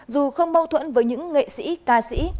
dù không mâu thuẫn với những nghệ sĩ ca sĩ